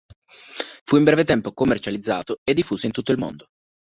Fu in breve tempo commercializzato e diffuso in tutto il mondo.